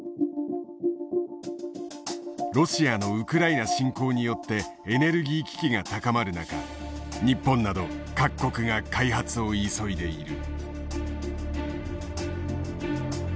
ロシアのウクライナ侵攻によってエネルギー危機が高まる中日本など各国が開発を急いでいる。